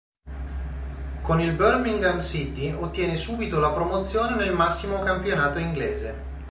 Con il Birmingham City ottiene subito la promozione nel massimo campionato inglese.